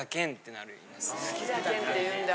好きだけんって言うんだ。